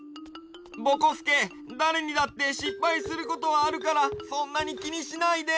ぼこすけだれにだってしっぱいすることはあるからそんなにきにしないで！